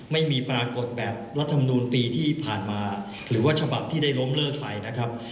ไม่มีปรากฏแบบรัฐมนูลปีที่ผ่านมาหรือว่าฉบับที่ได้ล้มเลิกใครนะครับ